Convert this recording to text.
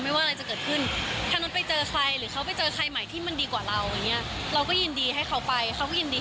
ไม่ว่าอะไรจะเกิดขึ้นถ้านั้นไปเจอใครหรือเขาไปเจอใคร